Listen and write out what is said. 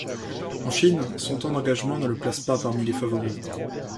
En Chine, son temps d'engagement ne le place pas parmi les favoris.